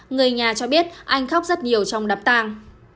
người nhà cho biết anh khóc rất nhiều trong nắp tàng